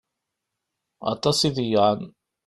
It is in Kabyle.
Aṭas i ḍeyyεen.